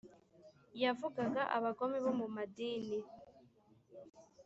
Yavugaga abagome bo mu madini.